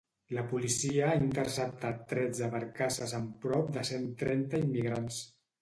La policia ha interceptat tretze barcasses amb prop de cent trenta immigrants